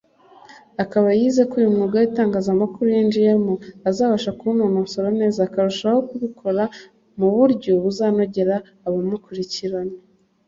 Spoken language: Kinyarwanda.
akaba yizeye ko uyu mwuga w’itangazamakuru yinjiyemo azabasha kuwunononsora neza akarushaho kubikora mu buryo buzanogera abamukurikirana